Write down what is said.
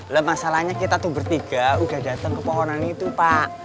lah masalahnya kita tuh bertiga udah datang ke pohonan itu pak